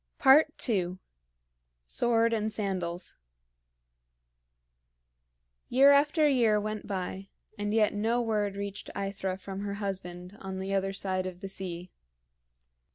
II. SWORD AND SANDALS. Year after year went by, and yet no word reached AEthra from her husband on the other side of the sea.